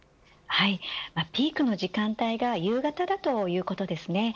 ピークの時間帯が夕方だということです。